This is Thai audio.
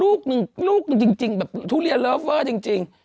ลูกหนึ่งลูกหนึ่งจริงแบบทุเรียนเลิฟเวอร์จริง